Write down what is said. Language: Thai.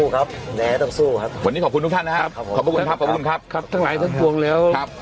ขอบคุณครับขอบคุณครับขอบคุณครับครับครับทั้งหลายทั้งกวงแล้วครับ